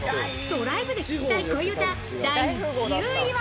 ドライブで聴きたい恋うた、第１０位は。